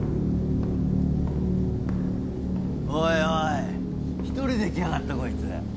おいおい一人で来やがったこいつ。